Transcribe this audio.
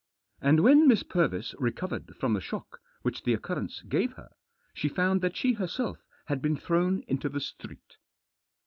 And when Miss Purvis recovered from the shock which the occurrence gave her, she found that she herself had been thrown into the street."